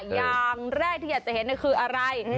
อย่างแรกที่อยากจะเห็นคืออะไร